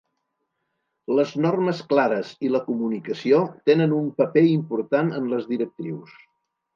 Les normes clares i la comunicació tenen un paper important en les directrius.